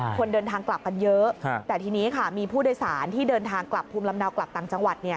คนเดินทางกลับกันเยอะแต่ทีนี้ค่ะมีผู้โดยสารที่เดินทางกลับภูมิลำเนากลับต่างจังหวัด